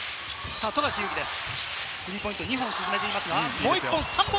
富樫勇樹です、スリーポイントを２本沈めています。